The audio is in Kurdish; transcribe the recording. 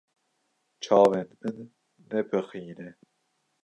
Çavên min nepixîne.